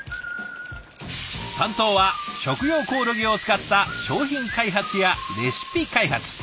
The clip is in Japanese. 担当は食用コオロギを使った商品開発やレシピ開発。